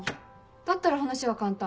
だったら話は簡単。